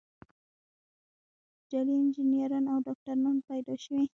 جعلي انجینران او ډاکتران پیدا شوي.